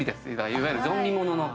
いわゆるゾンビ物なの。